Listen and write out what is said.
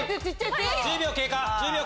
１０秒経過。